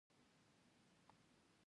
د کرم ګل د پړسوب لپاره وکاروئ